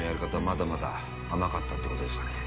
まだまだ甘かったってことですかね。